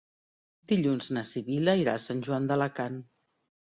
Dilluns na Sibil·la irà a Sant Joan d'Alacant.